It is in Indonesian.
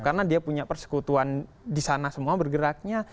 karena dia punya persekutuan di sana semua bergeraknya